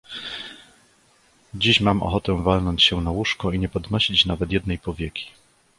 Dziś mam ochotę walnąć się na łóżko i nie podnosić nawet jednej powieki.